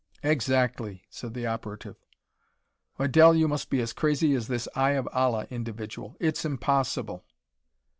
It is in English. "Exactly!" said the operative. "Why, Del, you must be as crazy as this Eye of Allah individual. It's impossible."